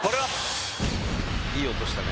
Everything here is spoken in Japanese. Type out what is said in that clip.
いい音したね。